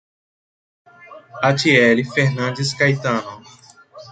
Atiele Fernandes Caetano